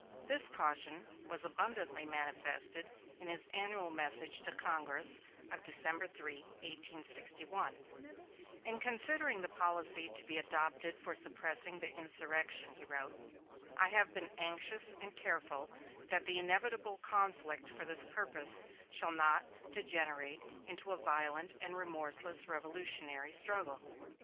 This caution was abundantly manifested in his annual message to Congress of December 3, 1861: "In considering the policy to be adopted for suppressing the insurrection," he wrote, "I have been anxious and careful that the inevitable conflict for this purpose shall not degenerate into a violent and remorseless revolutionary struggle.